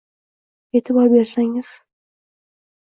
Eʼtibor bersangiz